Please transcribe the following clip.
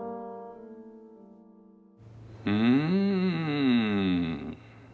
うん。